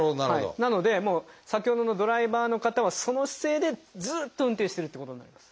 なので先ほどのドライバーの方はその姿勢でずっと運転してるってことになります。